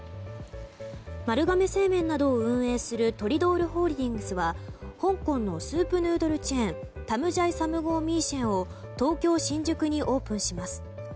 丸亀製麺などを運営するトリドールホールディングスは香港のスープヌードルチェーンタムジャイサムゴーミーシェンを東京・新宿にオープンします。